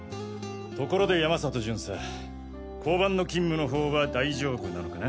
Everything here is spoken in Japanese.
ところで山里巡査交番の勤務の方は大丈夫なのかな？